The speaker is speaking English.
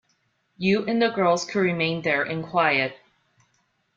You and the girls could remain there in quiet.